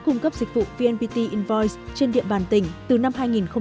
cung cấp dịch vụ vnpt invoice trên địa bàn tỉnh từ năm hai nghìn một mươi năm